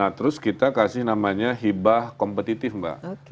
nah terus kita kasih namanya hibah kompetitif mbak